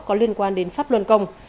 có liên quan đến pháp luân công